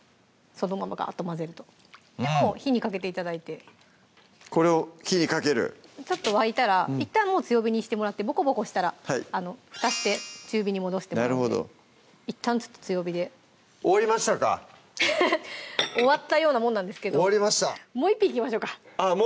そのままガーッと混ぜるともう火にかけて頂いてこれを火にかけるちょっと沸いたらいったん強火にしてもらってボコボコしたら蓋して中火に戻してもらっていったんちょっと強火で終わりましたか終わったようなもんなんですけどもう１品いきましょうかあっ